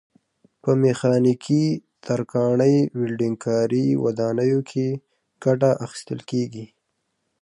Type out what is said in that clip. په میخانیکي، ترکاڼۍ، ولډنګ کاري، ودانیو کې ګټه اخیستل کېږي.